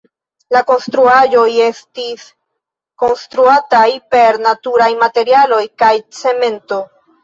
La konstruaĵoj estis konstruataj per naturaj materialoj kaj cemento.